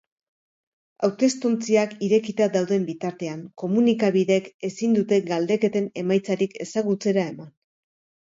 Hautestontziak irekita dauden bitartean, komunikabideek ezin dute galdeketen emaitzarik ezagutzera eman.